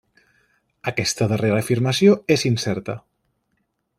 Aquesta darrera afirmació és incerta.